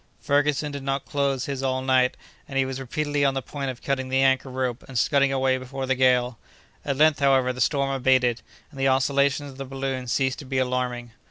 Ferguson did not close his eyes all night, and he was repeatedly on the point of cutting the anchor rope and scudding away before the gale. At length, however, the storm abated, and the oscillations of the balloon ceased to be alarming.